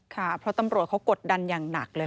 ค่ะเพราะตำรวจเขากดดันอย่างหนักเลย